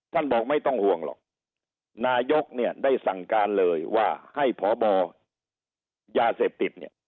ท่านบอกไม่ต้องห่วงหรอกนายกได้สั่งการเลยว่าให้พบยาเสพติด